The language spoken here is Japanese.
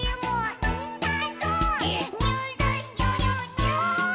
「にゅるにゅるにゅ」